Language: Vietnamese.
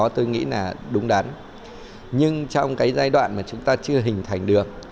tôi nghĩ là đúng đắn nhưng trong cái giai đoạn mà chúng ta chưa hình thành được